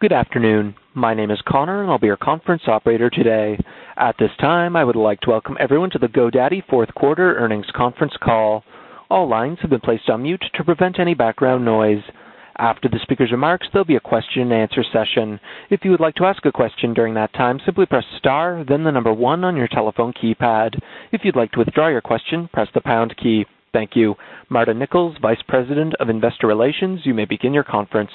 Good afternoon. My name is Connor and I'll be your conference operator today. At this time, I would like to welcome everyone to the GoDaddy fourth quarter earnings conference call. All lines have been placed on mute to prevent any background noise. After the speaker's remarks, there'll be a question and answer session. If you would like to ask a question during that time, simply press star, then the number one on your telephone keypad. If you'd like to withdraw your question, press the pound key. Thank you. Marta Nichols, Vice President of Investor Relations, you may begin your conference.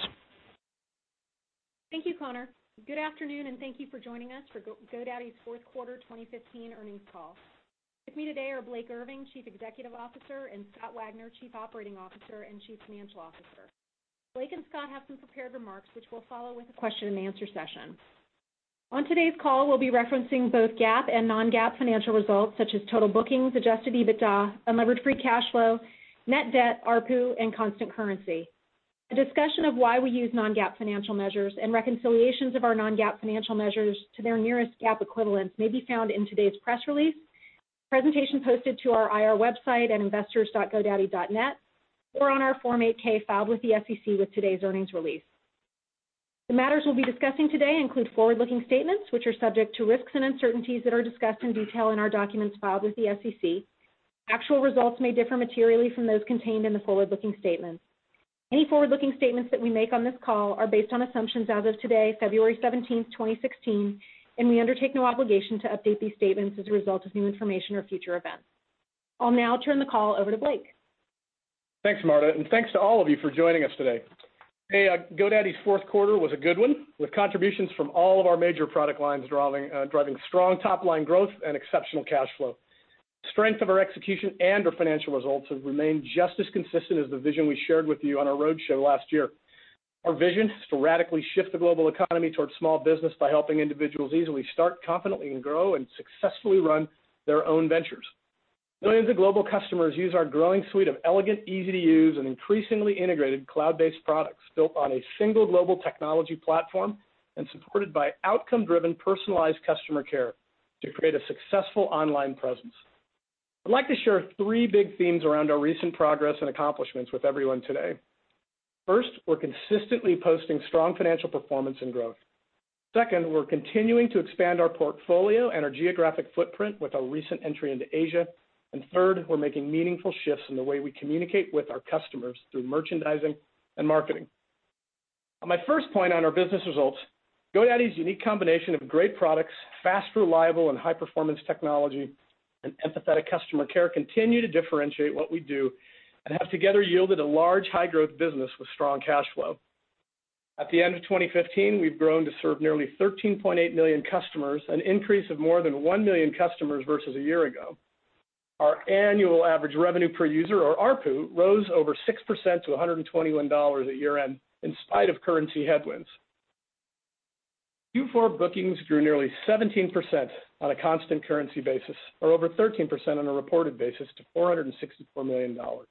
Thank you, Connor. Good afternoon. Thank you for joining us for GoDaddy's fourth quarter 2015 earnings call. With me today are Blake Irving, Chief Executive Officer, and Scott Wagner, Chief Operating Officer and Chief Financial Officer. Blake and Scott have some prepared remarks, which will follow with a question and answer session. On today's call, we'll be referencing both GAAP and non-GAAP financial results such as total bookings, adjusted EBITDA, unlevered free cash flow, net debt, ARPU, and constant currency. A discussion of why we use non-GAAP financial measures and reconciliations of our non-GAAP financial measures to their nearest GAAP equivalents may be found in today's press release, presentation posted to our IR website at investors.godaddy.net, or on our Form 8-K filed with the SEC with today's earnings release. The matters we'll be discussing today include forward-looking statements, which are subject to risks and uncertainties that are discussed in detail in our documents filed with the SEC. Actual results may differ materially from those contained in the forward-looking statements. Any forward-looking statements that we make on this call are based on assumptions as of today, February 17th, 2016. We undertake no obligation to update these statements as a result of new information or future events. I'll now turn the call over to Blake. Thanks, Marta. Thanks to all of you for joining us today. Hey, GoDaddy's fourth quarter was a good one, with contributions from all of our major product lines driving strong top-line growth and exceptional cash flow. The strength of our execution and our financial results have remained just as consistent as the vision we shared with you on our roadshow last year. Our vision is to radically shift the global economy towards small business by helping individuals easily start confidently, and grow and successfully run their own ventures. Millions of global customers use our growing suite of elegant, easy-to-use, and increasingly integrated cloud-based products built on a single global technology platform and supported by outcome-driven, personalized customer care to create a successful online presence. I'd like to share three big themes around our recent progress and accomplishments with everyone today. First, we're consistently posting strong financial performance and growth. Second, we're continuing to expand our portfolio and our geographic footprint with our recent entry into Asia. Third, we're making meaningful shifts in the way we communicate with our customers through merchandising and marketing. On my first point on our business results, GoDaddy's unique combination of great products, fast, reliable, and high-performance technology, and empathetic customer care continue to differentiate what we do and have together yielded a large, high-growth business with strong cash flow. At the end of 2015, we've grown to serve nearly 13.8 million customers, an increase of more than 1 million customers versus a year ago. Our annual average revenue per user, or ARPU, rose over 6% to $121 at year-end in spite of constant currency headwinds. Q4 bookings grew nearly 17% on a constant currency basis, or over 13% on a reported basis, to $464 million. Our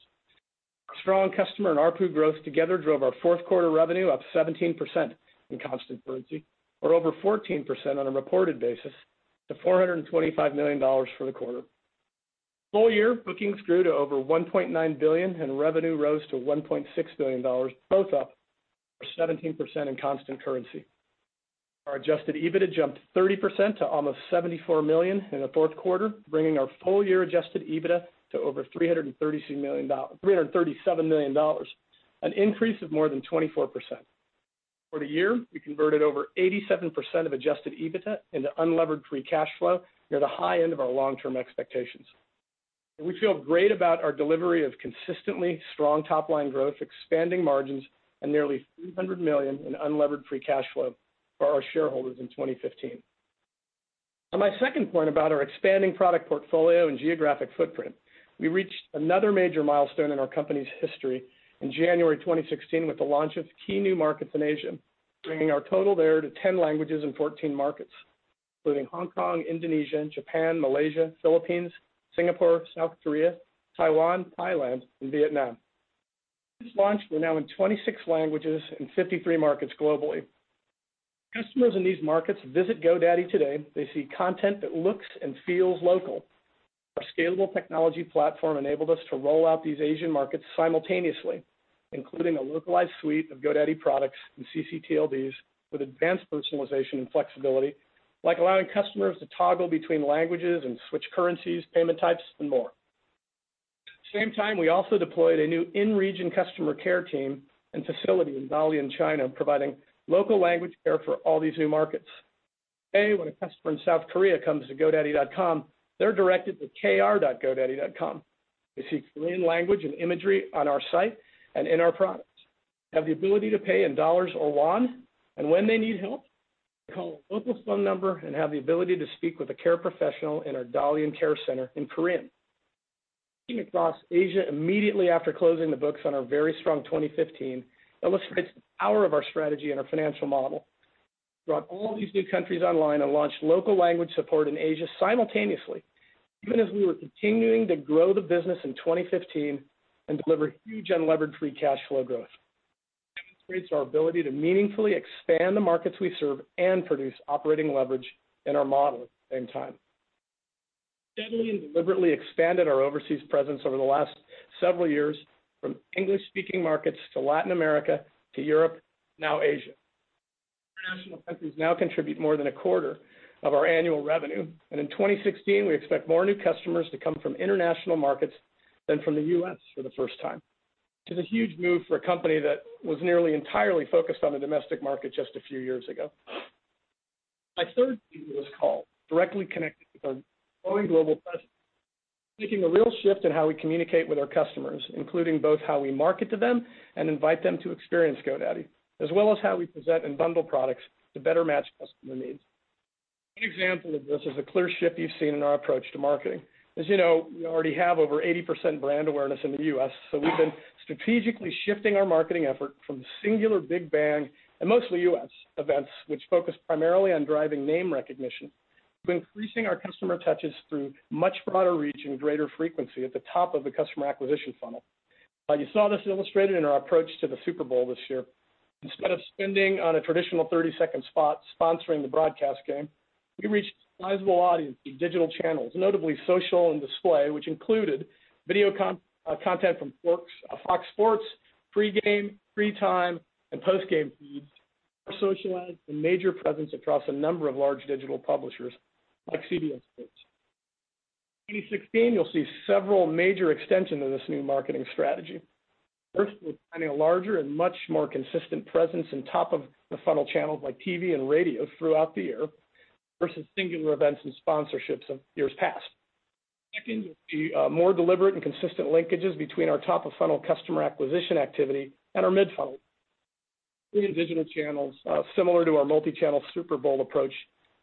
strong customer and ARPU growth together drove our fourth quarter revenue up 17% in constant currency, or over 14% on a reported basis, to $425 million for the quarter. Full-year bookings grew to over $1.9 billion, and revenue rose to $1.6 billion, both up for 17% in constant currency. Our adjusted EBITDA jumped 30% to almost $74 million in the fourth quarter, bringing our full-year adjusted EBITDA to over $337 million, an increase of more than 24%. For the year, we converted over 87% of adjusted EBITDA into unlevered free cash flow near the high end of our long-term expectations. We feel great about our delivery of consistently strong top-line growth, expanding margins, and nearly $300 million in unlevered free cash flow for our shareholders in 2015. On my second point about our expanding product portfolio and geographic footprint, we reached another major milestone in our company's history in January 2016 with the launch of key new markets in Asia, bringing our total there to 10 languages and 14 markets, including Hong Kong, Indonesia, Japan, Malaysia, Philippines, Singapore, South Korea, Taiwan, Thailand, and Vietnam. Since launch, we're now in 26 languages and 53 markets globally. Customers in these markets visit GoDaddy today, they see content that looks and feels local. Our scalable technology platform enabled us to roll out these Asian markets simultaneously, including a localized suite of GoDaddy products and ccTLDs with advanced personalization and flexibility, like allowing customers to toggle between languages and switch currencies, payment types, and more. At the same time, we also deployed a new in-region customer care team and facility in Dalian, China, providing local language care for all these new markets. Today, when a customer in South Korea comes to godaddy.com, they're directed to kr.godaddy.com. They see Korean language and imagery on our site and in our products, have the ability to pay in $ or KRW, and when they need help, they call a local phone number and have the ability to speak with a care professional in our Dalian care center in Korean. Looking across Asia immediately after closing the books on our very strong 2015 illustrates the power of our strategy and our financial model. We brought all of these new countries online and launched local language support in Asia simultaneously, even as we were continuing to grow the business in 2015 and deliver huge unlevered free cash flow growth. That integrates our ability to meaningfully expand the markets we serve and produce operating leverage in our model at the same time. We steadily and deliberately expanded our overseas presence over the last several years from English-speaking markets to Latin America, to Europe, now Asia. International countries now contribute more than a quarter of our annual revenue. In 2016, we expect more new customers to come from international markets than from the U.S. for the first time. It's a huge move for a company that was nearly entirely focused on the domestic market just a few years ago. My third theme for this call, directly connected with our growing global presence, is making a real shift in how we communicate with our customers, including both how we market to them and invite them to experience GoDaddy, as well as how we present and bundle products to better match customer needs. One example of this is the clear shift you've seen in our approach to marketing. As you know, we already have over 80% brand awareness in the U.S., so we've been strategically shifting our marketing effort from singular big bang, and mostly U.S., events, which focus primarily on driving name recognition, to increasing our customer touches through much broader reach and greater frequency at the top of the customer acquisition funnel. You saw this illustrated in our approach to the Super Bowl this year. Instead of spending on a traditional 30-second spot sponsoring the broadcast game, we reached a sizable audience through digital channels, notably social and display, which included video content from Fox Sports pre-game, pre-time, and post-game feeds, our social ads, and major presence across a number of large digital publishers like CBS Sports. In 2016, you'll see several major extensions of this new marketing strategy. First, we're planning a larger and much more consistent presence in top-of-the-funnel channels like TV and radio throughout the year versus singular events and sponsorships of years past. Second, you'll see more deliberate and consistent linkages between our top-of-funnel customer acquisition activity and our mid-funnel through digital channels, similar to our multi-channel Super Bowl approach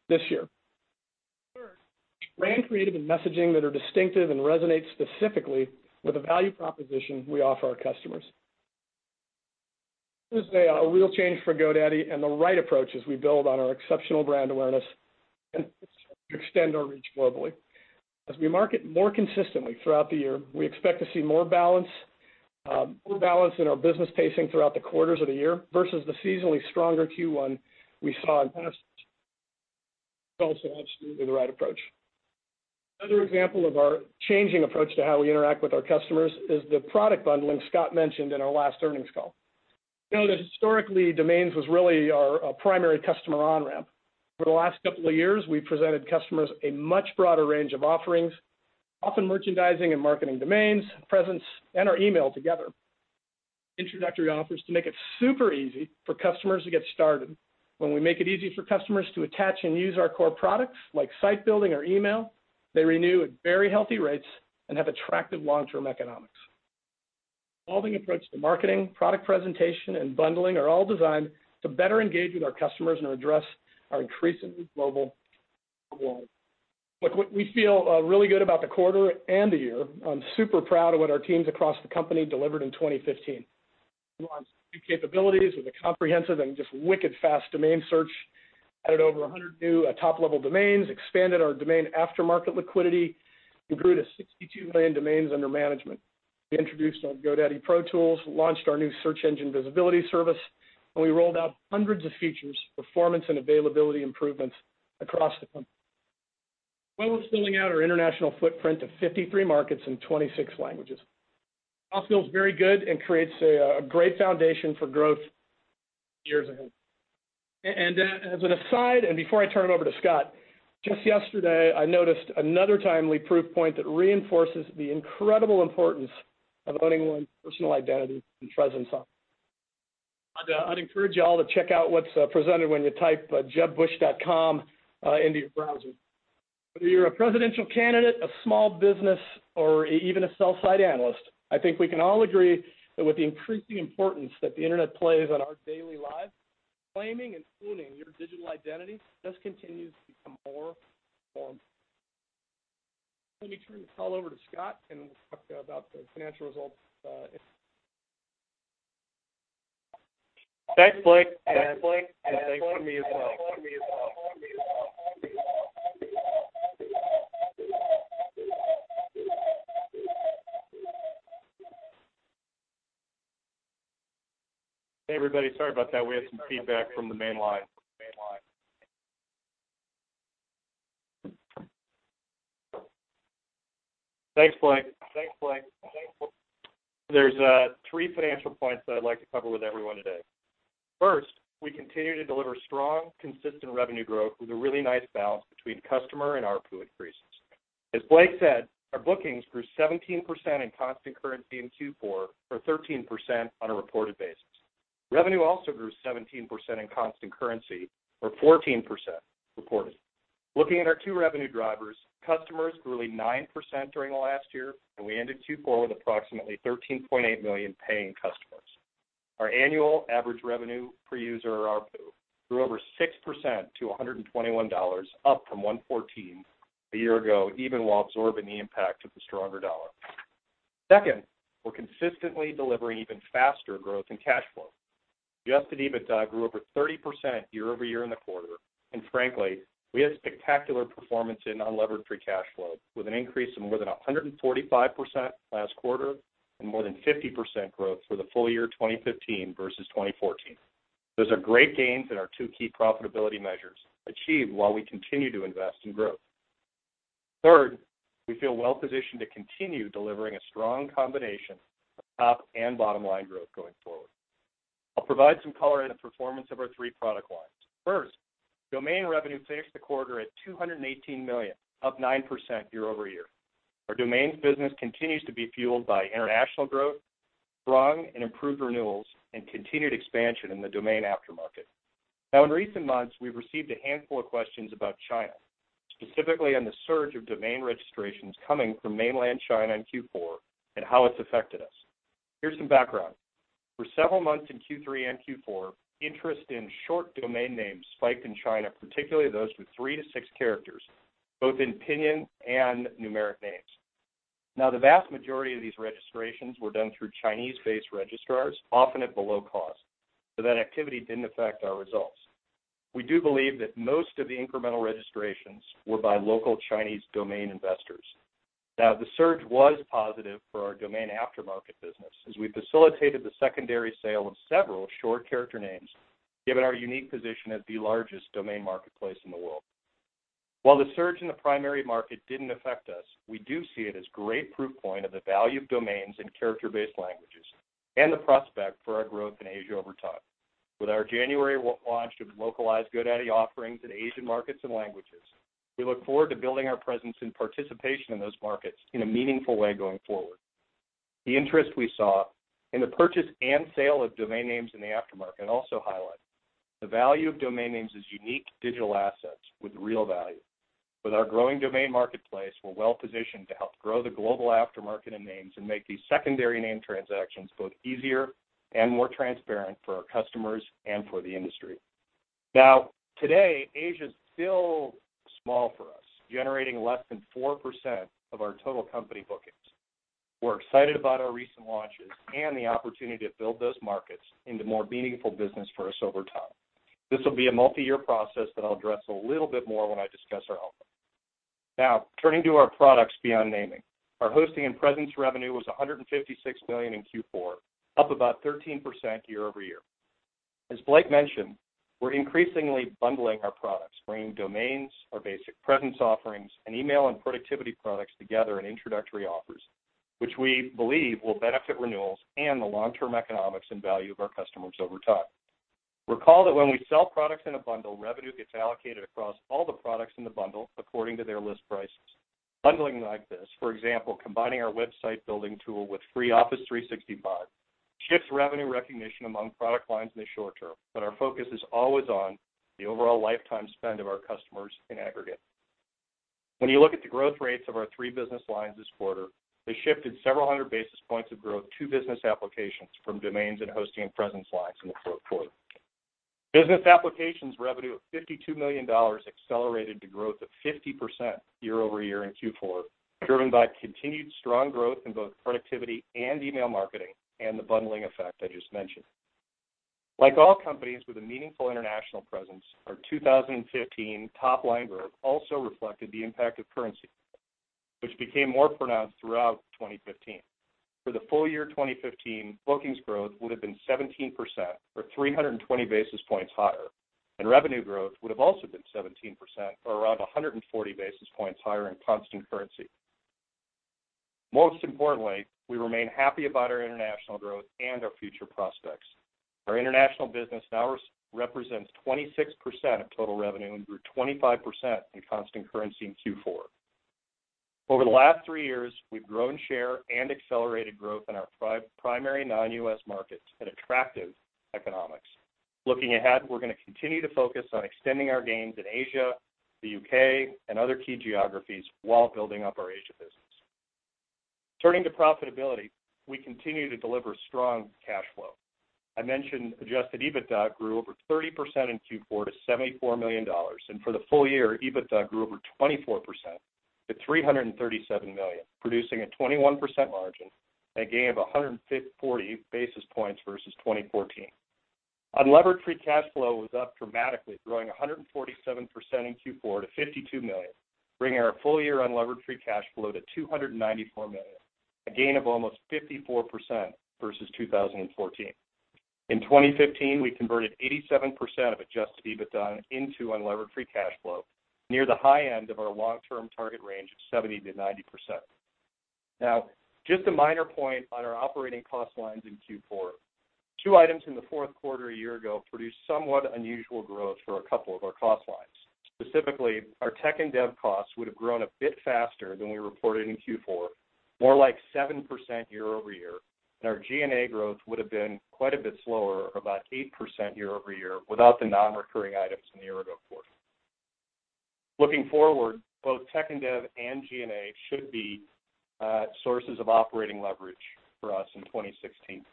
this year. Third, brand creative and messaging that are distinctive and resonate specifically with the value proposition we offer our customers. This is a real change for GoDaddy and the right approach as we build on our exceptional brand awareness and extend our reach globally. As we market more consistently throughout the year, we expect to see more balance in our business pacing throughout the quarters of the year versus the seasonally stronger Q1 we saw in past. Also absolutely the right approach. Another example of our changing approach to how we interact with our customers is the product bundling Scott mentioned in our last earnings call. You know that historically, domains was really our primary customer on-ramp. Over the last couple of years, we've presented customers a much broader range of offerings, often merchandising and marketing domains, presence, and our email together. Introductory offers to make it super easy for customers to get started. When we make it easy for customers to attach and use our core products like site building or email, they renew at very healthy rates and have attractive long-term economics. Evolving approach to marketing, product presentation, and bundling are all designed to better engage with our customers and address our increasingly global audience. Look, we feel really good about the quarter and the year. I'm super proud of what our teams across the company delivered in 2015. We launched new capabilities with a comprehensive and just wicked fast domain search, added over 100 new top-level domains, expanded our domain aftermarket liquidity, and grew to 62 million domains under management. We introduced our GoDaddy Pro Tools, launched our new Search Engine Visibility service, and we rolled out hundreds of features, performance, and availability improvements across the company, while expanding out our international footprint to 53 markets in 26 languages. This all feels very good and creates a great foundation for growth in the years ahead. As an aside, and before I turn it over to Scott, just yesterday, I noticed another timely proof point that reinforces the incredible importance of owning one's personal identity and presence online. I'd encourage you all to check out what's presented when you type jebbush.com into your browser. Whether you're a presidential candidate, a small business, or even a sell-side analyst, I think we can all agree that with the increasing importance that the internet plays in our daily lives, claiming and owning your digital identity just continues to become more important. Let me turn this call over to Scott, and we'll talk about the financial results. Thanks, Blake, and thanks from me as well. Hey, everybody, sorry about that. We had some feedback from the main line. Thanks, Blake. There's three financial points that I'd like to cover with everyone today. First, we continue to deliver strong, consistent revenue growth with a really nice balance between customer and ARPU increases. As Blake said, our bookings grew 17% in constant currency in Q4, or 13% on a reported basis. Revenue also grew 17% in constant currency, or 14% reported. Looking at our two revenue drivers, customers grew nearly 9% during the last year, and we ended Q4 with approximately 13.8 million paying customers. Our annual average revenue per user, or ARPU, grew over 6% to $121, up from $114 a year ago, even while absorbing the impact of the stronger dollar. Second, we're consistently delivering even faster growth in cash flow. Adjusted EBITDA grew over 30% year-over-year in the quarter, and frankly, we had spectacular performance in unlevered free cash flow, with an increase of more than 145% last quarter and more than 50% growth for the full year 2015 versus 2014. Those are great gains in our two key profitability measures, achieved while we continue to invest in growth. Third, we feel well-positioned to continue delivering a strong combination of top and bottom-line growth going forward. I'll provide some color on the performance of our three product lines. First, domain revenue finished the quarter at $218 million, up 9% year-over-year. Our domains business continues to be fueled by international growth, strong and improved renewals, and continued expansion in the domain aftermarket. In recent months, we've received a handful of questions about China, specifically on the surge of domain registrations coming from mainland China in Q4 and how it's affected us. Here's some background. For several months in Q3 and Q4, interest in short domain names spiked in China, particularly those with three to six characters, both in Pinyin and numeric names. The vast majority of these registrations were done through Chinese-based registrars, often at below cost, so that activity didn't affect our results. We do believe that most of the incremental registrations were by local Chinese domain investors. The surge was positive for our domain aftermarket business, as we facilitated the secondary sale of several short character names, given our unique position as the largest domain marketplace in the world. The surge in the primary market didn't affect us, we do see it as great proof point of the value of domains in character-based languages and the prospect for our growth in Asia over time. With our January launch of localized GoDaddy offerings in Asian markets and languages, we look forward to building our presence and participation in those markets in a meaningful way going forward. The interest we saw in the purchase and sale of domain names in the aftermarket also highlight the value of domain names as unique digital assets with real value. With our growing domain marketplace, we're well-positioned to help grow the global aftermarket in names and make these secondary name transactions both easier and more transparent for our customers and for the industry. Today, Asia's still small for us, generating less than 4% of our total company bookings. We're excited about our recent launches and the opportunity to build those markets into more meaningful business for us over time. This will be a multi-year process that I'll address a little bit more when I discuss our outlook. Turning to our products beyond naming. Our hosting and presence revenue was $156 million in Q4, up about 13% year-over-year. As Blake mentioned, we're increasingly bundling our products, bringing domains, our basic presence offerings, and email and productivity products together in introductory offers, which we believe will benefit renewals and the long-term economics and value of our customers over time. Recall that when we sell products in a bundle, revenue gets allocated across all the products in the bundle according to their list prices. Bundling like this, for example, combining our website-building tool with free Office 365, shifts revenue recognition among product lines in the short term, our focus is always on the overall lifetime spend of our customers in aggregate. When you look at the growth rates of our three business lines this quarter, they shifted several hundred basis points of growth to business applications from domains and hosting and presence lines in the fourth quarter. Business applications revenue of $52 million accelerated to growth of 50% year-over-year in Q4, driven by continued strong growth in both productivity and email marketing, and the bundling effect I just mentioned. Like all companies with a meaningful international presence, our 2015 top-line growth also reflected the impact of currency, which became more pronounced throughout 2015. For the full year 2015, bookings growth would've been 17%, or 320 basis points higher, and revenue growth would've also been 17%, or around 140 basis points higher in constant currency. Most importantly, we remain happy about our international growth and our future prospects. Our international business now represents 26% of total revenue and grew 25% in constant currency in Q4. Over the last three years, we've grown share and accelerated growth in our primary non-U.S. markets at attractive economics. Looking ahead, we're going to continue to focus on extending our gains in Asia, the U.K., and other key geographies while building up our Asia business. Turning to profitability, we continue to deliver strong cash flow. I mentioned adjusted EBITDA grew over 30% in Q4 to $74 million, and for the full year, EBITDA grew over 24% to $337 million, producing a 21% margin and a gain of 140 basis points versus 2014. Unlevered free cash flow was up dramatically, growing 147% in Q4 to $52 million, bringing our full-year unlevered free cash flow to $294 million, a gain of almost 54% versus 2014. In 2015, we converted 87% of adjusted EBITDA into unlevered free cash flow, near the high end of our long-term target range of 70%-90%. Just a minor point on our operating cost lines in Q4. Two items in the fourth quarter a year ago produced somewhat unusual growth for a couple of our cost lines. Specifically, our tech and dev costs would've grown a bit faster than we reported in Q4, more like 7% year-over-year, and our G&A growth would've been quite a bit slower, about 8% year-over-year, without the non-recurring items from a year ago quarter. Looking forward, both tech and dev and G&A should be sources of operating leverage for us in 2016.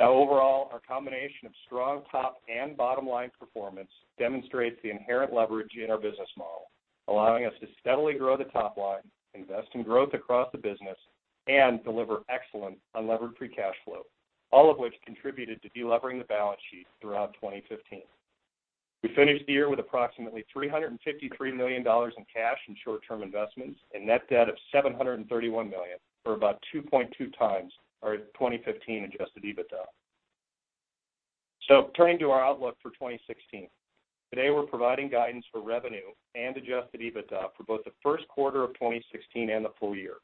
Overall, our combination of strong top and bottom-line performance demonstrates the inherent leverage in our business model, allowing us to steadily grow the top line, invest in growth across the business, and deliver excellent unlevered free cash flow, all of which contributed to de-levering the balance sheet throughout 2015. We finished the year with approximately $353 million in cash and short-term investments and net debt of $731 million, or about 2.2 times our 2015 adjusted EBITDA. Turning to our outlook for 2016. Today, we're providing guidance for revenue and adjusted EBITDA for both the first quarter of 2016 and the full year.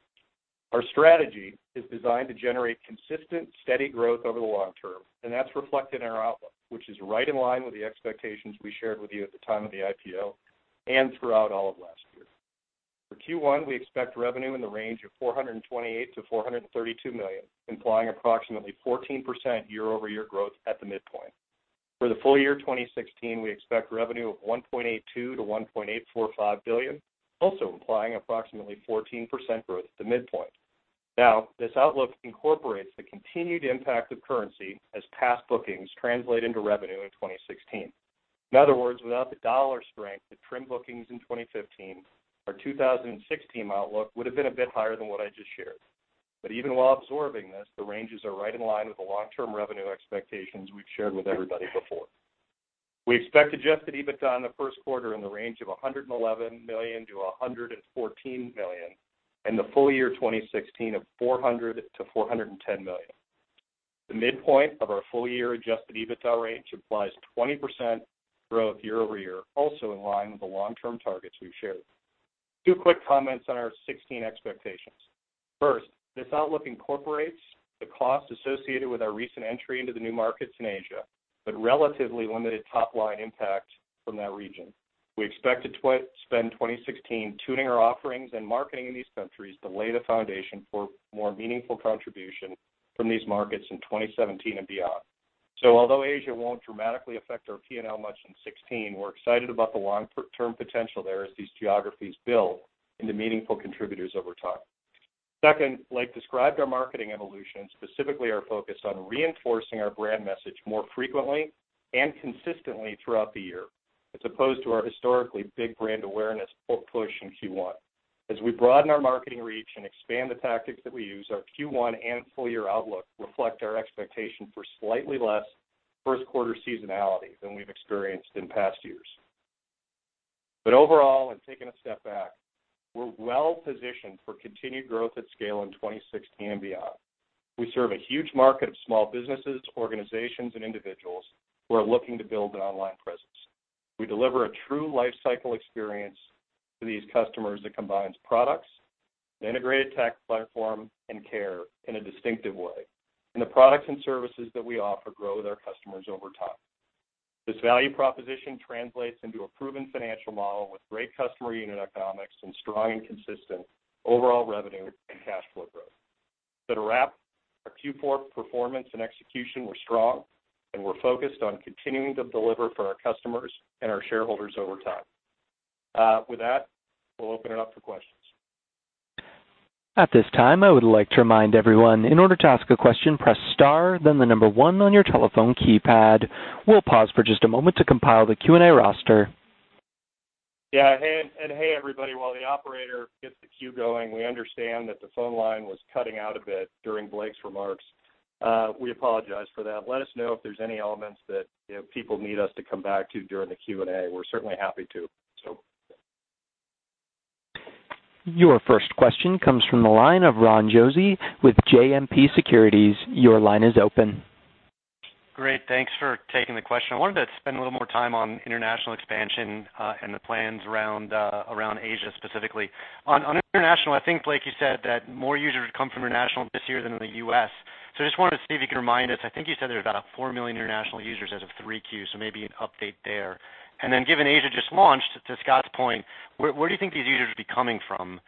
Our strategy is designed to generate consistent, steady growth over the long term, and that's reflected in our outlook, which is right in line with the expectations we shared with you at the time of the IPO and throughout all of last year. For Q1, we expect revenue in the range of $428 million-$432 million, implying approximately 14% year-over-year growth at the midpoint. For the full year 2016, we expect revenue of $1.82 billion-$1.845 billion, also implying approximately 14% growth at the midpoint. This outlook incorporates the continued impact of currency as past bookings translate into revenue in 2016. In other words, without the dollar strength that trimmed bookings in 2015, our 2016 outlook would've been a bit higher than what I just shared. Even while absorbing this, the ranges are right in line with the long-term revenue expectations we've shared with everybody before. We expect adjusted EBITDA in the first quarter in the range of $111 million-$114 million, and the full year 2016 of $400 million-$410 million. The midpoint of our full-year adjusted EBITDA range implies 20% growth year-over-year, also in line with the long-term targets we've shared. Two quick comments on our 2016 expectations. First, this outlook incorporates the cost associated with our recent entry into the new markets in Asia, but relatively limited top-line impact from that region. We expect to spend 2016 tuning our offerings and marketing in these countries to lay the foundation for more meaningful contribution from these markets in 2017 and beyond. Although Asia won't dramatically affect our P&L much in 2016, we're excited about the long-term potential there as these geographies build into meaningful contributors over time. Second, Blake described our marketing evolution, specifically our focus on reinforcing our brand message more frequently and consistently throughout the year, as opposed to our historically big brand awareness push in Q1. As we broaden our marketing reach and expand the tactics that we use, our Q1 and full-year outlook reflect our expectation for slightly less first quarter seasonality than we've experienced in past years. Overall, and taking a step back, we're well-positioned for continued growth at scale in 2016 and beyond. We serve a huge market of small businesses, organizations, and individuals who are looking to build an online presence. We deliver a true life cycle experience to these customers that combines products, an integrated tech platform, and care in a distinctive way. The products and services that we offer grow with our customers over time. This value proposition translates into a proven financial model with great customer unit economics and strong and consistent overall revenue and cash flow growth. To wrap, our Q4 performance and execution were strong, and we're focused on continuing to deliver for our customers and our shareholders over time. With that, we'll open it up for questions. At this time, I would like to remind everyone, in order to ask a question, press star, then the number 1 on your telephone keypad. We'll pause for just a moment to compile the Q&A roster. Hey everybody, while the operator gets the queue going, we understand that the phone line was cutting out a bit during Blake's remarks. We apologize for that. Let us know if there's any elements that people need us to come back to during the Q&A. We're certainly happy to. Your first question comes from the line of Ron Josey with JMP Securities. Your line is open. Great. Thanks for taking the question. I wanted to spend a little more time on international expansion, and the plans around Asia specifically. On international, I think, Blake, you said that more users come from international this year than in the U.S. I just wanted to see if you could remind us, I think you said there's about 4 million international users as of 3 Qs, so maybe an update there. Given Asia just launched, to Scott's point, where do you think these users will be coming from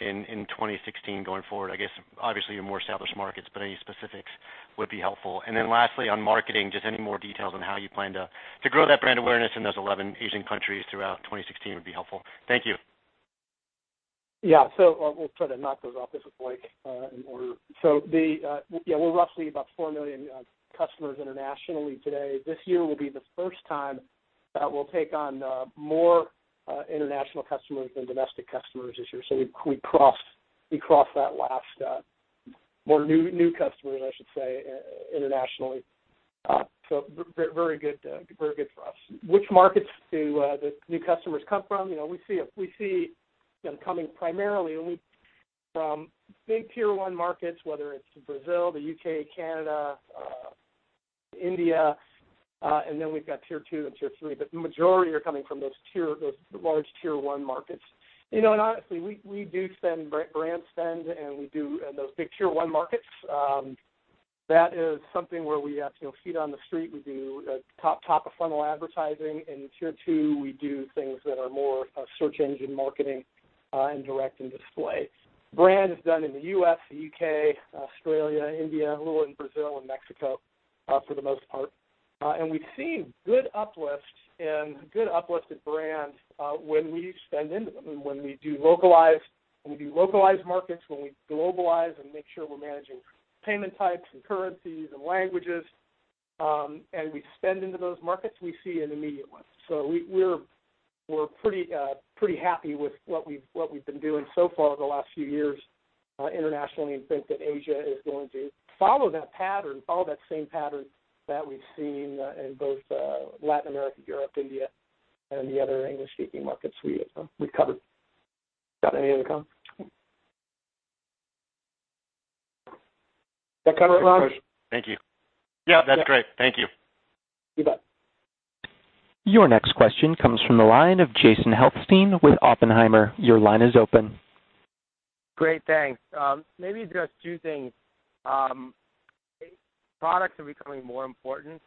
in 2016 going forward? I guess obviously your more established markets, but any specifics would be helpful. Lastly, on marketing, just any more details on how you plan to grow that brand awareness in those 11 Asian countries throughout 2016 would be helpful. Thank you. We'll try to knock those off. This is Blake. In order. We're roughly about 4 million customers internationally today. This year will be the first time that we'll take on more international customers than domestic customers this year. We crossed that last step. More new customers, I should say, internationally. Very good for us. Which markets do the new customers come from? We see them coming primarily from big tier 1 markets, whether it's Brazil, the U.K., Canada, India, we've got tier 2 and tier 3. The majority are coming from those large tier 1 markets. Honestly, we do brand spend in those big tier 1 markets. That is something where we have feet on the street. We do top-of-funnel advertising. In tier 2, we do things that are more search engine marketing and direct and display. Brand is done in the U.S., the U.K., Australia, India, a little in Brazil and Mexico, for the most part. We've seen good uplifts at brand when we spend into them, when we do localized markets, when we globalize and make sure we're managing payment types and currencies and languages, we spend into those markets, we see an immediate lift. We're pretty happy with what we've been doing so far the last few years internationally, and think that Asia is going to follow that same pattern that we've seen in both Latin America, Europe, India, and the other English-speaking markets we've covered. Got any other comments? That cover it, Ron? Thank you. Yeah, that's great. Thank you. You bet. Your next question comes from the line of Jason Helfstein with Oppenheimer. Your line is open. Great, thanks. Maybe just two things. Products are becoming more important.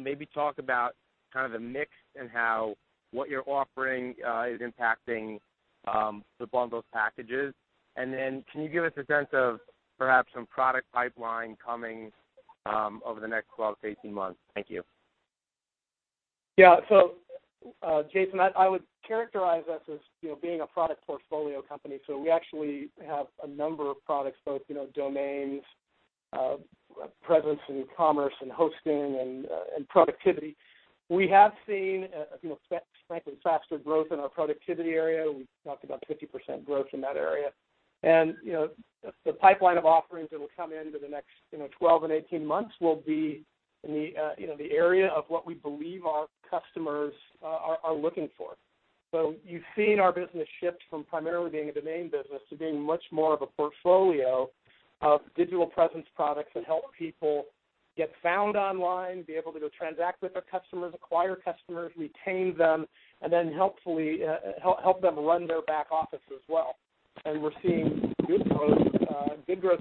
Maybe talk about kind of the mix and how what you're offering is impacting the bundle packages, and then can you give us a sense of perhaps some product pipeline coming over the next 12 to 18 months? Thank you. Yeah. Jason, I would characterize us as being a product portfolio company. We actually have a number of products, both domains, presence in commerce and hosting and productivity. We have seen frankly, faster growth in our productivity area. We've talked about 50% growth in that area. The pipeline of offerings that will come in over the next 12 and 18 months will be in the area of what we believe our customers are looking for. You've seen our business shift from primarily being a domain business to being much more of a portfolio of digital presence products that help people get found online, be able to go transact with their customers, acquire customers, retain them, and then help them run their back office as well. We're seeing good growth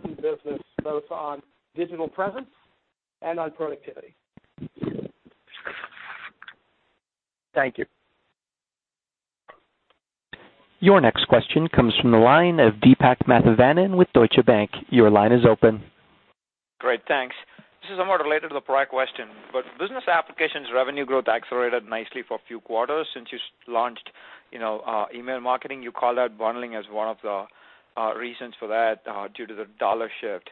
in the business, both on digital presence and on productivity. Thank you. Your next question comes from the line of Deepak Mathivanan with Deutsche Bank. Your line is open. Great, thanks. This is somewhat related to the prior question. Business applications revenue growth accelerated nicely for a few quarters since you launched email marketing. You called out bundling as one of the reasons for that due to the dollar shift.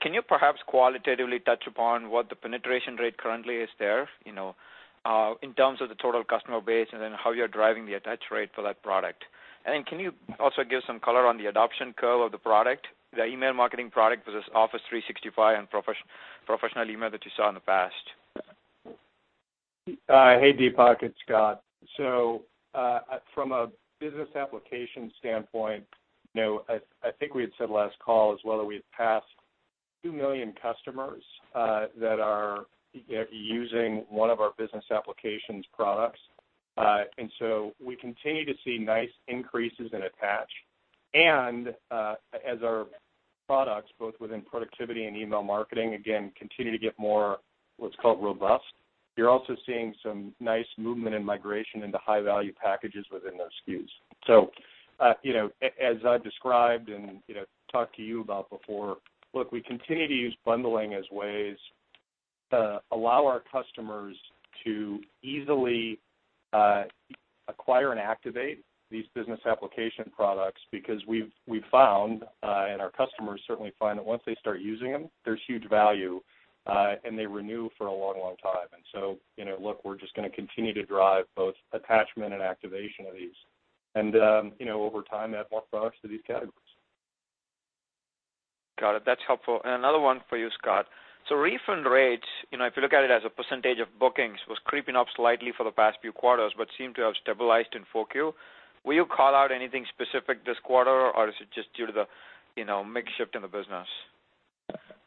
Can you perhaps qualitatively touch upon what the penetration rate currently is there, in terms of the total customer base and then how you're driving the attach rate for that product? Can you also give some color on the adoption curve of the product, the email marketing product versus Office 365 and professional email that you saw in the past? Hey, Deepak, it's Scott. From a business application standpoint, I think we had said last call as well that we had passed 2 million customers that are using one of our business applications products. We continue to see nice increases in attach. As our products, both within productivity and email marketing, again, continue to get more, what's called, robust, you're also seeing some nice movement and migration into high-value packages within those SKUs. As I described and talked to you about before, look, we continue to use bundling as ways to allow our customers to easily acquire and activate these business application products because we've found, and our customers certainly find, that once they start using them, there's huge value, and they renew for a long time. Look, we're just going to continue to drive both attachment and activation of these and, over time, add more products to these categories. Got it. That's helpful. Another one for you, Scott. Refund rates, if you look at it as a % of bookings, was creeping up slightly for the past few quarters, but seem to have stabilized in 4Q. Will you call out anything specific this quarter, or is it just due to the mix shift in the business?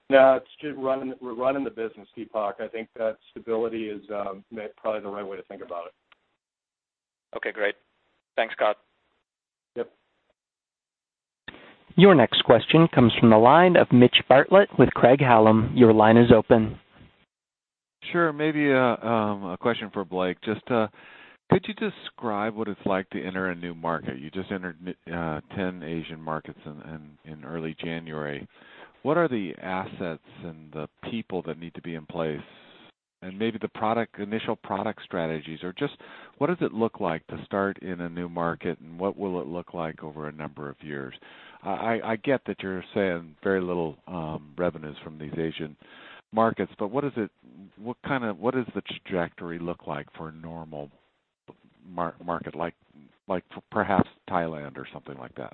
No, it's just we're running the business, Deepak. I think that stability is probably the right way to think about it. Okay, great. Thanks, Scott. Yep. Your next question comes from the line of Mitch Bartlett with Craig-Hallum. Your line is open. Sure. Maybe a question for Blake. Just could you describe what it's like to enter a new market? You just entered 10 Asian markets in early January. What are the assets and the people that need to be in place, and maybe the initial product strategies, or just what does it look like to start in a new market, and what will it look like over a number of years? I get that you're saying very little revenues from these Asian markets. What does the trajectory look like for a normal market like perhaps Thailand or something like that?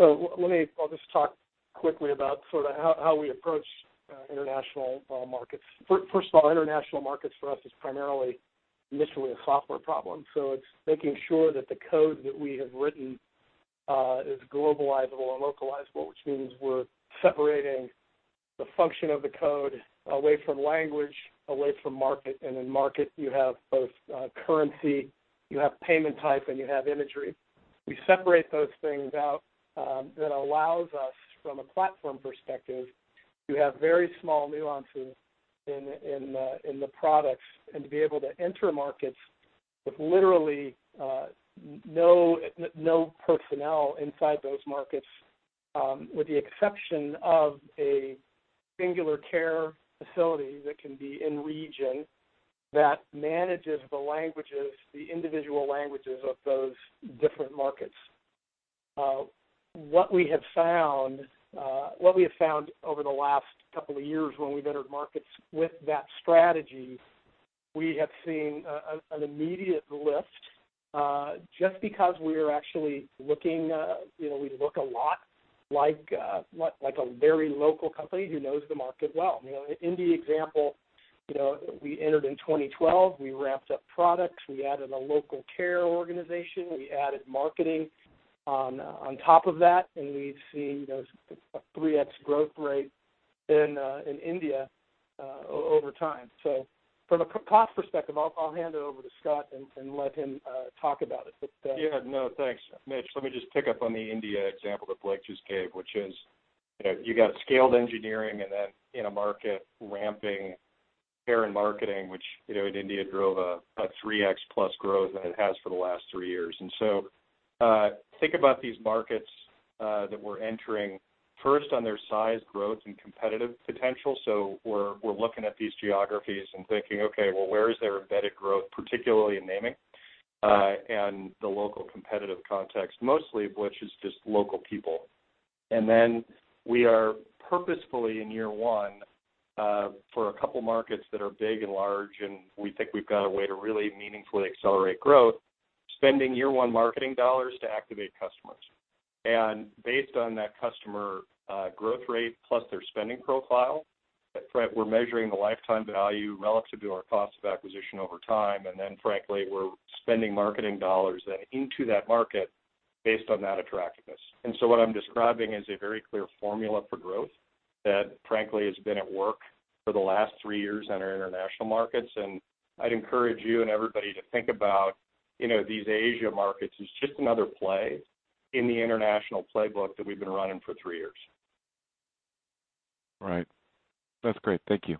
I'll just talk quickly about sort of how we approach international markets. First of all, international markets for us is primarily initially a software problem. It's making sure that the code that we have written is globalizable and localizable, which means we're separating the function of the code away from language, away from market. In market, you have both currency, you have payment type, and you have imagery. We separate those things out. That allows us, from a platform perspective, to have very small nuances in the products and to be able to enter markets with literally no personnel inside those markets, with the exception of a singular care facility that can be in-region that manages the languages, the individual languages of those different markets. What we have found over the last couple of years when we've entered markets with that strategy, we have seen an immediate lift, just because we look a lot like a very local company who knows the market well. India example, we entered in 2012, we ramped up products, we added a local care organization, we added marketing on top of that, and we've seen a 3X growth rate in India over time. From a cost perspective, I'll hand it over to Scott and let him talk about it. No, thanks, Mitch. Let me just pick up on the India example that Blake just gave, which is, you got scaled engineering and then in a market ramping care and marketing, which in India drove a 3X plus growth than it has for the last three years. Think about these markets that we're entering first on their size, growth, and competitive potential. We're looking at these geographies and thinking, "Okay, well, where is their embedded growth, particularly in naming and the local competitive context?" Mostly of which is just local people. We are purposefully in year one for a couple markets that are big and large, and we think we've got a way to really meaningfully accelerate growth, spending year-one marketing dollars to activate customers. Based on that customer growth rate plus their spending profile, we're measuring the lifetime value relative to our cost of acquisition over time, and then frankly, we're spending marketing dollars then into that market based on that attractiveness. What I'm describing is a very clear formula for growth that frankly has been at work for the last three years in our international markets, and I'd encourage you and everybody to think about these Asia markets as just another play in the international playbook that we've been running for three years. Right. That's great. Thank you.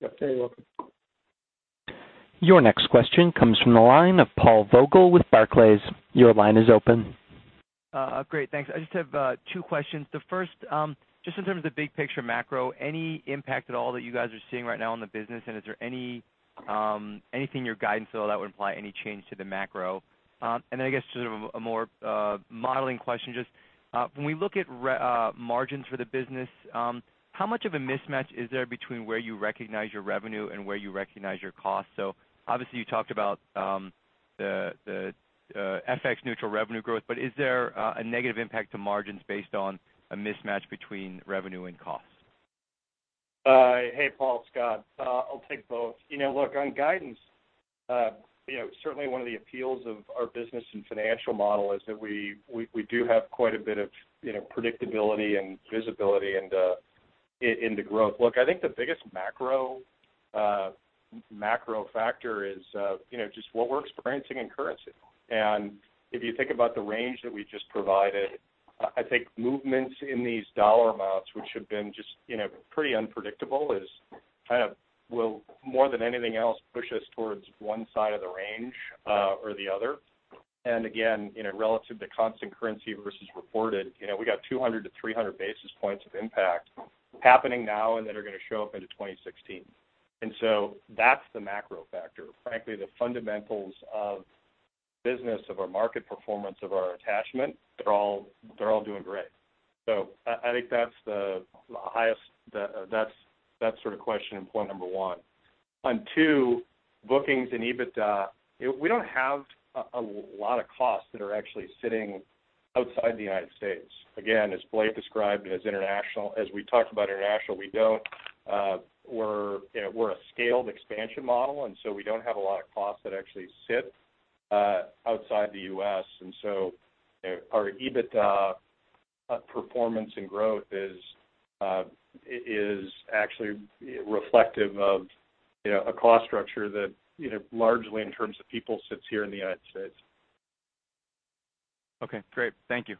Yeah, you're welcome. Your next question comes from the line of Paul Vogel with Barclays. Your line is open. Great. Thanks. I just have two questions. The first, just in terms of big picture macro, any impact at all that you guys are seeing right now on the business, and is there anything in your guidance at all that would imply any change to the macro? I guess just sort of a more modeling question, just when we look at margins for the business, how much of a mismatch is there between where you recognize your revenue and where you recognize your cost? Obviously you talked about the FX neutral revenue growth, but is there a negative impact to margins based on a mismatch between revenue and cost? Paul. Scott. I'll take both. Look, on guidance, certainly one of the appeals of our business and financial model is that we do have quite a bit of predictability and visibility into growth. Look, I think the biggest macro factor is just what we're experiencing in currency. If you think about the range that we just provided, I think movements in these dollar amounts, which have been just pretty unpredictable, will more than anything else push us towards one side of the range or the other. Again, relative to constant currency versus reported, we got 200-300 basis points of impact happening now and that are going to show up into 2016. That's the macro factor. Frankly, the fundamentals of business, of our market performance, of our attachment, they're all doing great. I think that's sort of question point number one. On two, bookings and EBITDA, we don't have a lot of costs that are actually sitting outside the United States. Again, as Blake described, as we talked about international, we're a scaled expansion model, we don't have a lot of costs that actually sit outside the U.S. Our EBITDA performance and growth is actually reflective of a cost structure that largely in terms of people sits here in the United States. Okay, great. Thank you.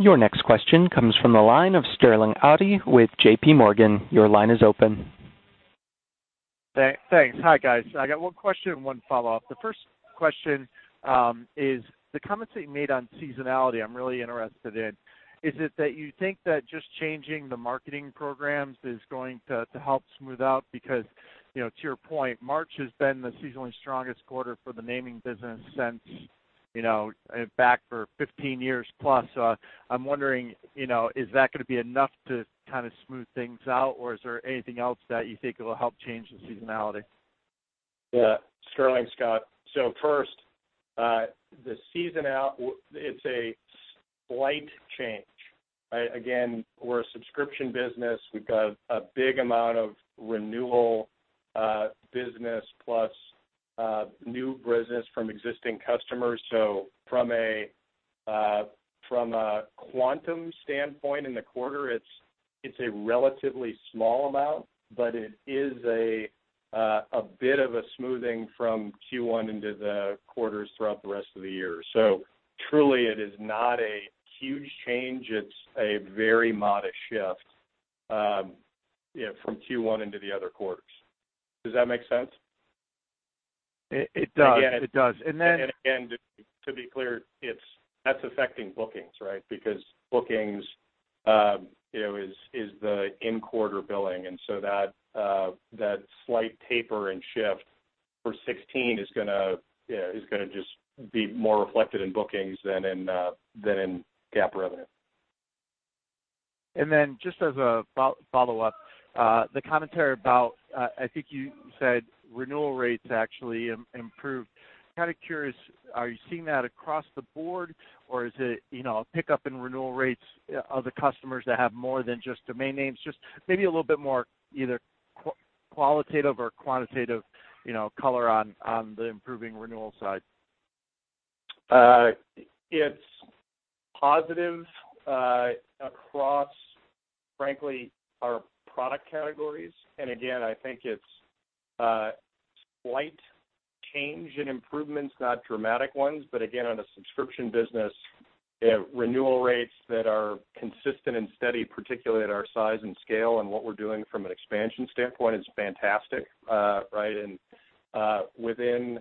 Your next question comes from the line of Sterling Auty with J.P. Morgan. Your line is open. Thanks. Hi, guys. I got one question and one follow-up. The first question is the comments that you made on seasonality, I'm really interested in. Is it that you think that just changing the marketing programs is going to help smooth out? To your point, March has been the seasonally strongest quarter for the naming business since back for 15 years plus. I'm wondering, is that going to be enough to kind of smooth things out, or is there anything else that you think it'll help change the seasonality? Yeah. Sterling, Scott. First, the season out, it's a slight change, right? Again, we're a subscription business. We've got a big amount of renewal business plus new business from existing customers. From a quantum standpoint in the quarter, it's a relatively small amount, but it is a bit of a smoothing from Q1 into the quarters throughout the rest of the year. Truly it is not a huge change. It's a very modest shift from Q1 into the other quarters. Does that make sense? It does. Again, to be clear, that's affecting bookings, right? Bookings is the in-quarter billing. That slight taper and shift for 2016 is going to just be more reflected in bookings than in GAAP revenue. Just as a follow-up, the commentary about, I think you said renewal rates actually improved. Kind of curious, are you seeing that across the board or is it a pickup in renewal rates of the customers that have more than just domain names? Just maybe a little bit more either qualitative or quantitative color on the improving renewal side. It's positive across, frankly, our product categories. I think it's slight change in improvements, not dramatic ones. On a subscription business, renewal rates that are consistent and steady, particularly at our size and scale and what we're doing from an expansion standpoint, is fantastic. Right? Within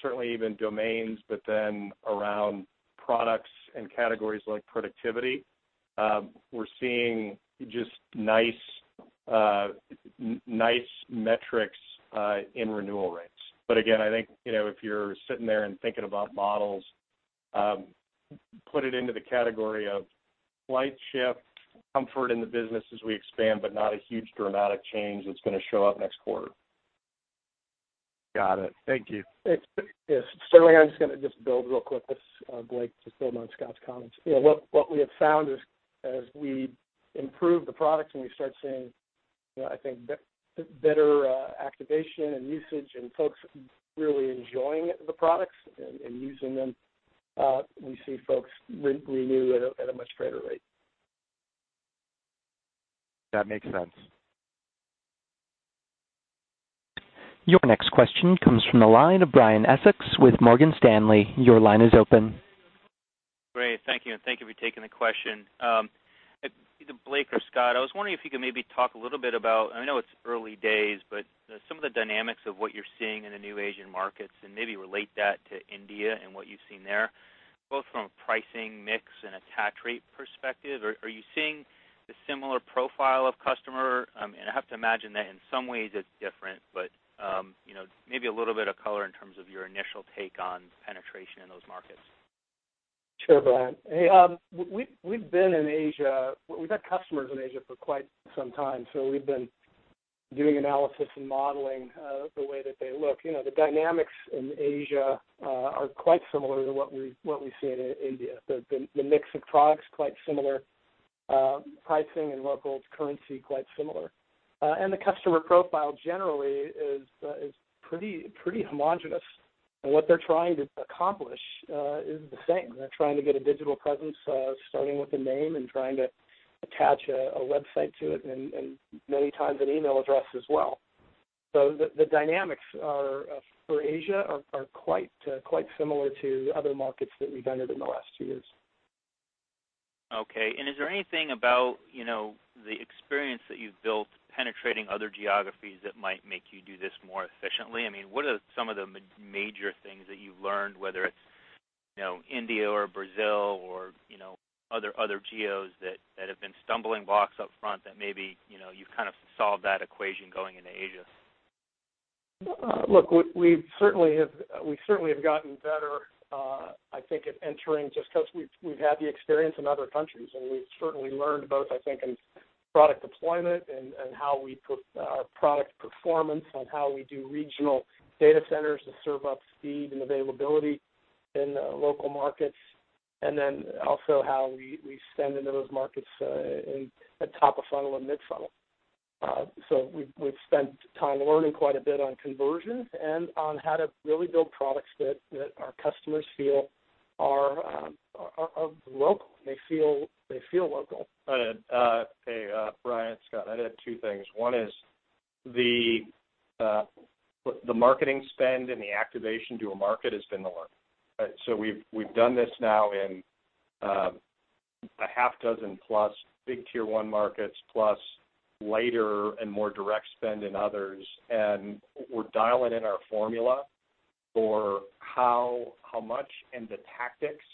certainly even domains, then around products and categories like productivity, we're seeing just nice metrics in renewal rates. I think, if you're sitting there and thinking about models, put it into the category of slight shift, comfort in the business as we expand, not a huge dramatic change that's going to show up next quarter. Got it. Thank you. Yes. Certainly, I'm just going to build real quick. This is Blake, just building on Scott's comments. What we have found is as we improve the products and we start seeing I think, better activation and usage and folks really enjoying the products and using them, we see folks renew at a much greater rate. That makes sense. Your next question comes from the line of Brian Essex with Morgan Stanley. Your line is open. Great. Thank you, and thank you for taking the question. Either Blake or Scott, I was wondering if you could maybe talk a little bit about, and I know it's early days, but some of the dynamics of what you're seeing in the new Asian markets, and maybe relate that to India and what you've seen there, both from a pricing mix and attach rate perspective. Are you seeing the similar profile of customer? I have to imagine that in some ways it's different, but maybe a little bit of color in terms of your initial take on penetration in those markets. Sure, Brian. Hey, we've had customers in Asia for quite some time, we've been doing analysis and modeling the way that they look. The dynamics in Asia are quite similar to what we see in India. The mix of products, quite similar. Pricing and local currency, quite similar. The customer profile generally is pretty homogenous, and what they're trying to accomplish is the same. They're trying to get a digital presence, starting with a name and trying to attach a website to it and many times an email address as well. The dynamics for Asia are quite similar to other markets that we've entered in the last two years. Okay. Is there anything about the experience that you've built penetrating other geographies that might make you do this more efficiently? What are some of the major things that you've learned, whether it's India or Brazil or other geos that have been stumbling blocks up front that maybe you've kind of solved that equation going into Asia? Look, we certainly have gotten better, I think, at entering just because we've had the experience in other countries. We've certainly learned both, I think, in product deployment and how we put our product performance on how we do regional data centers to serve up speed and availability in the local markets. Also how we spend into those markets at top of funnel and mid-funnel. We've spent time learning quite a bit on conversion and on how to really build products that our customers feel are local. They feel local. Hey, Brian, Scott, I'd add two things. One is the marketing spend and the activation to a market has been the learn. We've done this now in a half dozen-plus big tier 1 markets, plus lighter and more direct spend in others. We're dialing in our formula for how much, and the tactics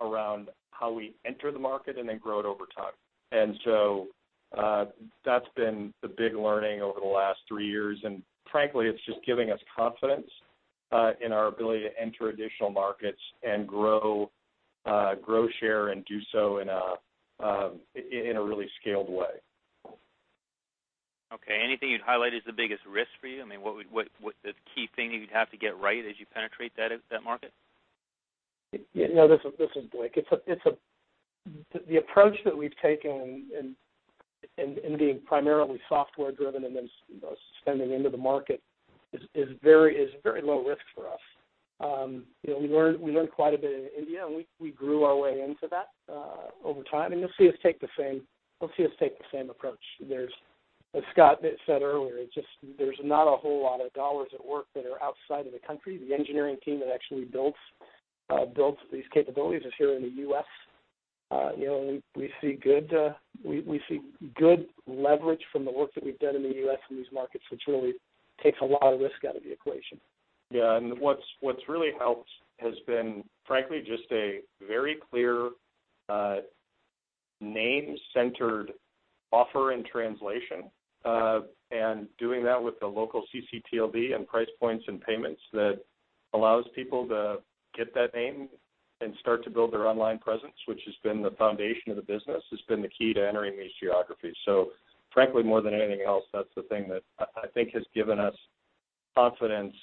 around how we enter the market and then grow it over time. That's been the big learning over the last three years, and frankly, it's just giving us confidence in our ability to enter additional markets and grow share and do so in a really scaled way. Okay. Anything you'd highlight as the biggest risk for you? What the key thing you'd have to get right as you penetrate that market? This is Blake. The approach that we've taken in being primarily software driven and then spending into the market is very low risk for us. We learned quite a bit in India, and we grew our way into that over time, and you'll see us take the same approach. As Scott said earlier, there's not a whole lot of dollars at work that are outside of the country. The engineering team that actually builds these capabilities is here in the U.S. We see good leverage from the work that we've done in the U.S. in these markets, which really takes a lot of risk out of the equation. Yeah, what's really helped has been, frankly, just a very clear name-centered offer and translation. Doing that with the local ccTLD and price points and payments that allows people to get that name and start to build their online presence, which has been the foundation of the business, has been the key to entering these geographies. Frankly, more than anything else, that's the thing that I think has given us confidence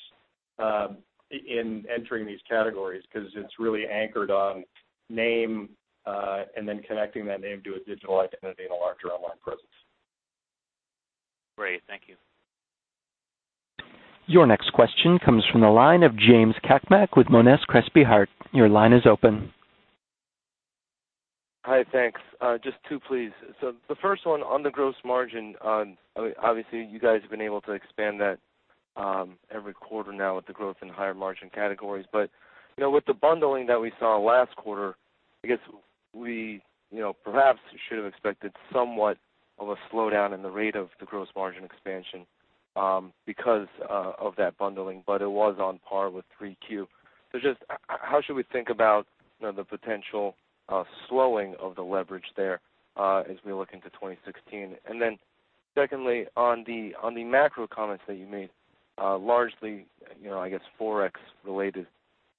in entering these categories, because it's really anchored on name, and then connecting that name to a digital identity and a larger online presence. Great. Thank you. Your next question comes from the line of James Cakmak with Monness, Crespi, Hardt. Your line is open. Hi. Thanks. Just two, please. The first one on the gross margin, obviously, you guys have been able to expand that every quarter now with the growth in higher-margin categories. With the bundling that we saw last quarter, I guess we perhaps should have expected somewhat of a slowdown in the rate of the gross margin expansion because of that bundling, but it was on par with 3Q. Just how should we think about the potential slowing of the leverage there as we look into 2016? Secondly, on the macro comments that you made, largely, I guess Forex related,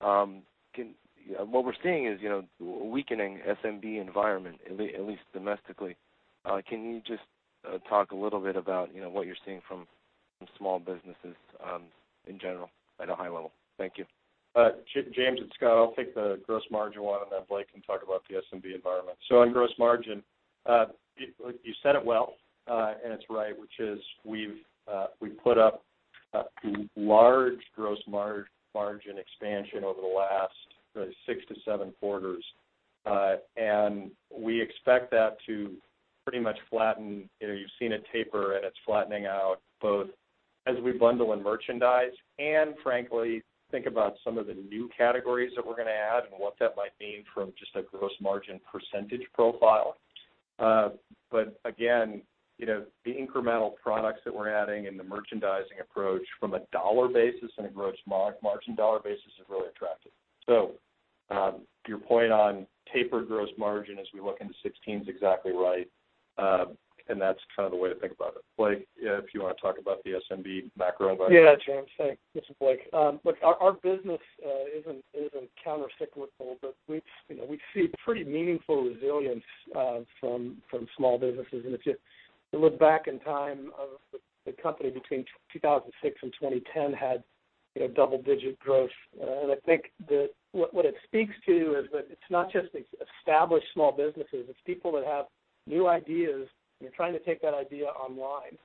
what we're seeing is, a weakening SMB environment, at least domestically. Can you just talk a little bit about what you're seeing from small businesses in general at a high level? Thank you. James, it's Scott. I'll take the gross margin one, Blake can talk about the SMB environment. On gross margin, you said it well, and it's right, which is we've put up large gross margin expansion over the last six to seven quarters. We expect that to pretty much flatten. You've seen it taper, and it's flattening out both as we bundle and merchandise and frankly, think about some of the new categories that we're going to add and what that might mean from just a gross margin percentage profile. Again, the incremental products that we're adding and the merchandising approach from a dollar basis and a gross margin dollar basis is really attractive. Your point on tapered gross margin as we look into 2016 is exactly right. That's kind of the way to think about it. Blake, if you want to talk about the SMB macro environment. Yeah, James. Thanks. This is Blake. Our business isn't countercyclical, but we see pretty meaningful resilience from small businesses. If you look back in time, the company between 2006 and 2010 had double-digit growth. I think that what it speaks to is that it's not just established small businesses. It's people that have new ideas and are trying to take that idea online.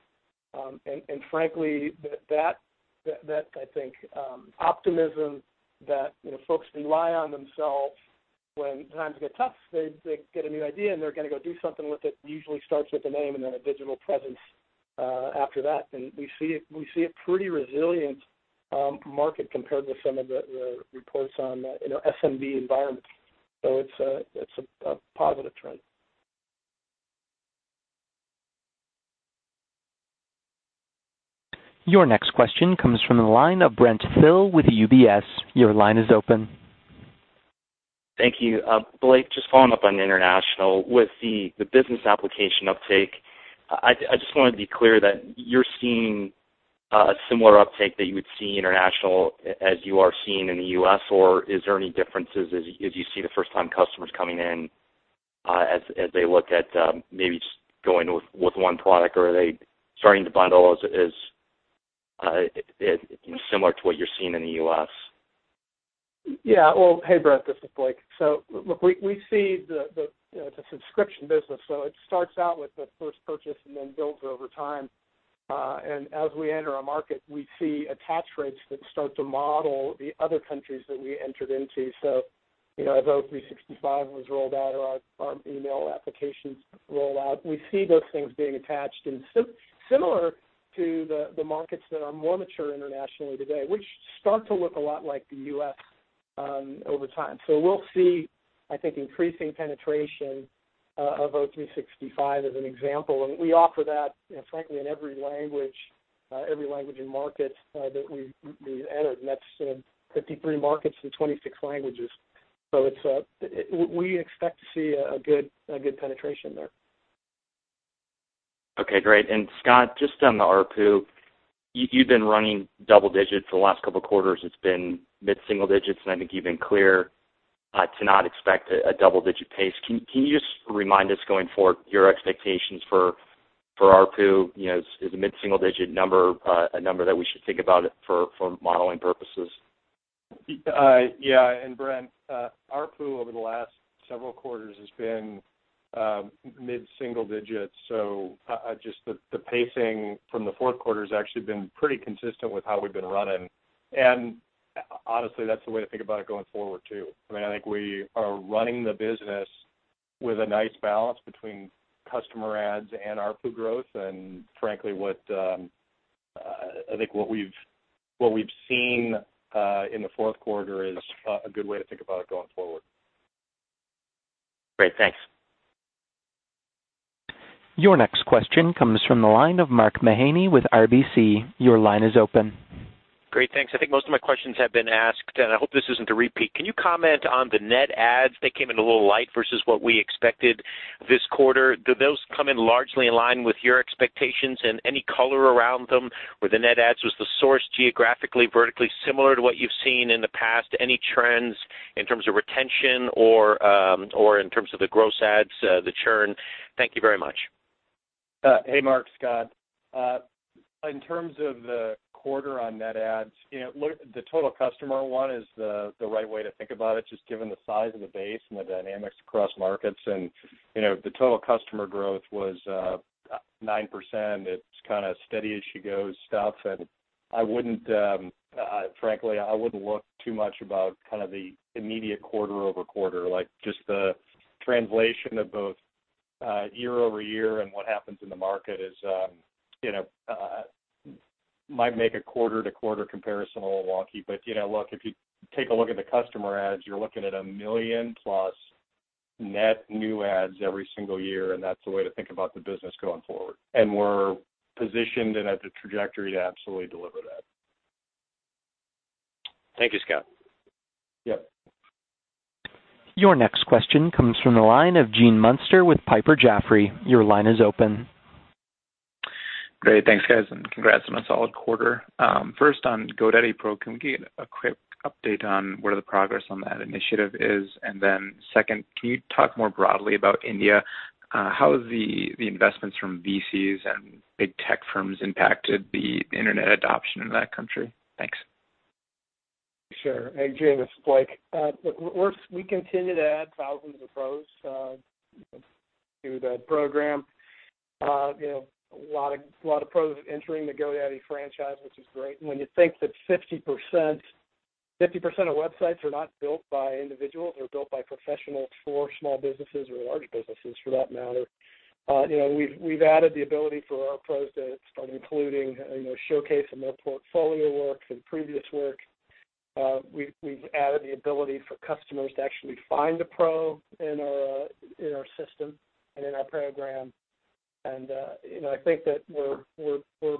Frankly, that, I think, optimism that folks rely on themselves when times get tough, they get a new idea, and they're going to go do something with it usually starts with a name and then a digital presence after that. We see a pretty resilient market compared with some of the reports on SMB environments. It's a positive trend. Your next question comes from the line of Brent Thill with UBS. Your line is open. Thank you. Blake, just following up on international. With the business application uptake, I just wanted to be clear that you're seeing a similar uptake that you would see international as you are seeing in the U.S., or are there any differences as you see the first-time customers coming in, as they look at maybe just going with one product? Or are they starting to bundle as similar to what you're seeing in the U.S.? Yeah. Well, hey, Brent, this is Blake. Look, we see the subscription business, it starts out with the first purchase and then builds over time. As we enter a market, we see attach rates that start to model the other countries that we entered into. As O365 was rolled out or our email applications rolled out, we see those things being attached and similar to the markets that are more mature internationally today, which start to look a lot like the U.S. over time. We'll see, I think, increasing penetration of O365 as an example, and we offer that, frankly, in every language and market that we entered, and that's 53 markets in 26 languages. We expect to see a good penetration there. Okay, great. Scott, just on the ARPU, you've been running double digits. For the last couple of quarters, it's been mid-single digits, and I think you've been clear to not expect a double-digit pace. Can you just remind us going forward your expectations for ARPU? Is the mid-single-digit number a number that we should think about for modeling purposes? Yeah. Brent, ARPU over the last several quarters has been mid-single digits, just the pacing from the fourth quarter has actually been pretty consistent with how we've been running. Honestly, that's the way to think about it going forward, too. I think we are running the business with a nice balance between customer adds and ARPU growth. Frankly, I think what we've seen in the fourth quarter is a good way to think about it going forward. Great. Thanks. Your next question comes from the line of Mark Mahaney with RBC. Your line is open. Great. Thanks. I think most of my questions have been asked, I hope this isn't a repeat. Can you comment on the net adds? They came in a little light versus what we expected this quarter. Do those come in largely in line with your expectations and any color around them, where the net adds was the source, geographically, vertically similar to what you've seen in the past? Any trends in terms of retention or in terms of the gross adds, the churn? Thank you very much. Hey, Mark, Scott. In terms of the quarter on net adds, the total customer one is the right way to think about it, just given the size of the base and the dynamics across markets. The total customer growth was 9%. It's kind of steady as she goes stuff, frankly, I wouldn't look too much about kind of the immediate quarter-over-quarter, like just the translation of both year-over-year and what happens in the market might make a quarter-to-quarter comparison a little wonky. Look, if you take a look at the customer adds, you're looking at a million-plus net new adds every single year, that's the way to think about the business going forward. We're positioned and at the trajectory to absolutely deliver that. Thank you, Scott. Yep. Your next question comes from the line of Gene Munster with Piper Jaffray. Your line is open. Great. Thanks, guys, congrats on a solid quarter. First on GoDaddy Pro, can we get a quick update on where the progress on that initiative is? Second, can you talk more broadly about India? How have the investments from VCs and big tech firms impacted the internet adoption in that country? Thanks. Sure. Hey, Gene, this is Blake. Look, we continue to add thousands of pros to the program. A lot of pros entering the GoDaddy franchise, which is great. When you think that 50% of websites are not built by individuals, they're built by professionals for small businesses or large businesses for that matter. We've added the ability for our pros to start including, showcase some of their portfolio works and previous work. We've added the ability for customers to actually find a pro in our system and in our program. I think that we're,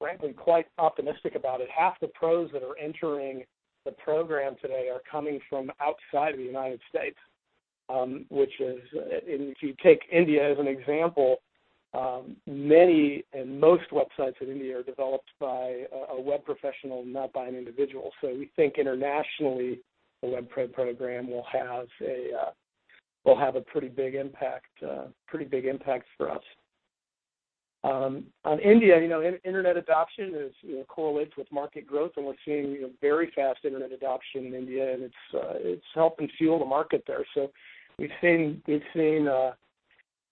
frankly, quite optimistic about it. Half the pros that are entering the program today are coming from outside of the U.S. If you take India as an example, many and most websites in India are developed by a web professional, not by an individual. We think internationally, the Web Pro Program will have a pretty big impact for us. On India, internet adoption correlates with market growth, and we're seeing very fast internet adoption in India, and it's helping fuel the market there. We've seen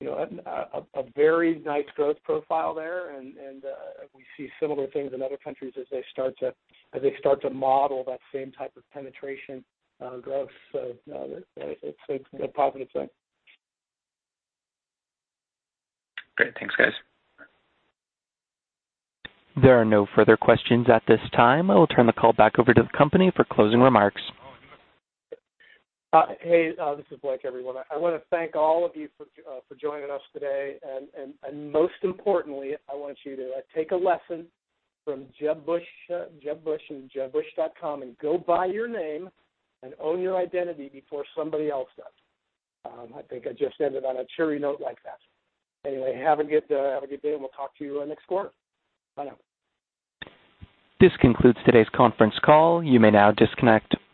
a very nice growth profile there, and we see similar things in other countries as they start to model that same type of penetration growth. It's a positive thing. Great. Thanks, guys. There are no further questions at this time. I will turn the call back over to the company for closing remarks. Hey, this is Blake, everyone. I want to thank all of you for joining us today. Most importantly, I want you to take a lesson from Jeb Bush, jebbush.com, and go buy your name and own your identity before somebody else does. I think I just ended on a cheery note like that. Anyway, have a good day, and we'll talk to you in the next quarter. Bye now. This concludes today's conference call. You may now disconnect.